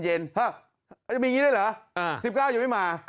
จะมีอย่างนี้ด้วยเหรอ๑๙ยังไม่มา